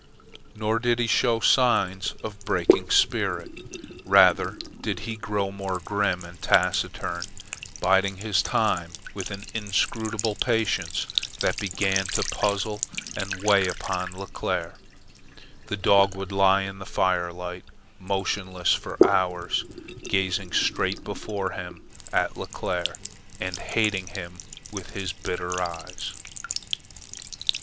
Nor did he show signs of a breaking spirit. Rather did he grow more grim and taciturn, biding his time with an inscrutable patience that began to puzzle and weigh upon Leclere. The dog would lie in the firelight, motionless, for hours, gazing straight before him at Leclere, and hating him with his bitter eyes.